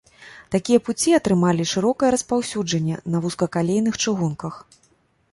Такія пуці атрымалі шырокае распаўсюджанне на вузкакалейных чыгунках.